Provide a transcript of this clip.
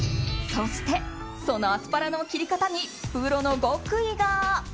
そして、そのアスパラの切り方にプロの極意が。